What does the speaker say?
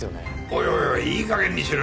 おいおいいい加減にしろよ。